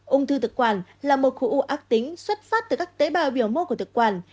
ông thư thực quản là một khu ưu ác tính xuất phát từ các tế bào biểu mô của thực quản